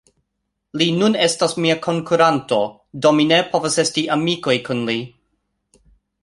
Li nun estas mia konkuranto... do mi ne povas esti amikoj kun li